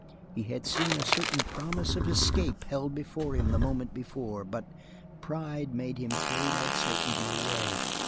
He had seen a certain promise of escape held before him the moment before, but pride made him throw that certainty away.